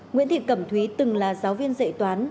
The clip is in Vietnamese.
nguyễn thị cẩm thúy từng là giáo viên dạy toán